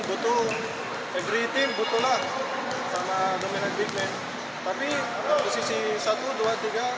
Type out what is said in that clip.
tapi posisi satu dua tiga gak ada problem